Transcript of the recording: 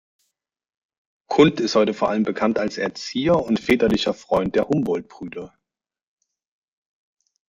Kunth ist heute vor allem bekannt als Erzieher und väterlicher Freund der Humboldt-Brüder.